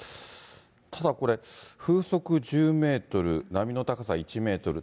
ただこれ、風速１０メートル、波の高さ１メートル。